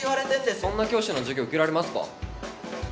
そんな教師の授業受けられますか？